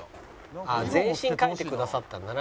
全身描いてくださったんだな。